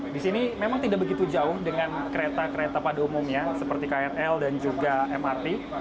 di sini memang tidak begitu jauh dengan kereta kereta pada umumnya seperti krl dan juga mrt